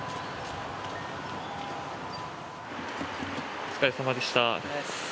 お疲れさまでした。